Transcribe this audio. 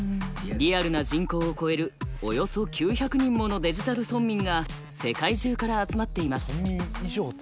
リアルな人口を超えるおよそ９００人ものデジタル村民が世界中から集まっています。